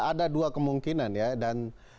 ada dua kemungkinan ya dan